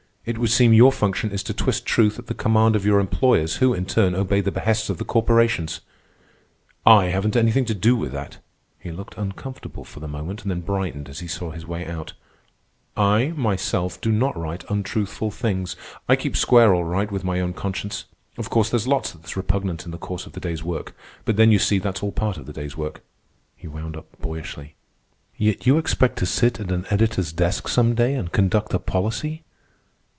"It would seem your function is to twist truth at the command of your employers, who, in turn, obey the behests of the corporations." "I haven't anything to do with that." He looked uncomfortable for the moment, then brightened as he saw his way out. "I, myself, do not write untruthful things. I keep square all right with my own conscience. Of course, there's lots that's repugnant in the course of the day's work. But then, you see, that's all part of the day's work," he wound up boyishly. "Yet you expect to sit at an editor's desk some day and conduct a policy."